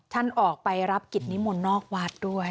ท่านออกไปรับกิจนิมนต์นอกวัดด้วย